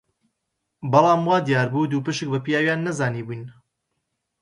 بەڵام وا دیار بوو دووپشک بە پیاویان نەزانیبووین